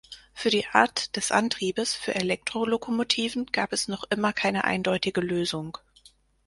Für die Art des Antriebes für Elektrolokomotiven gab es noch immer keine eindeutige Lösung.